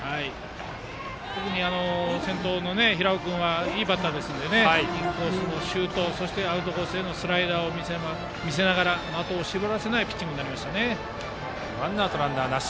特に先頭の平尾君はいいバッターですのでインコースにシュートアウトコースへのスライダーを見せながら的を絞らせないピッチングになりました。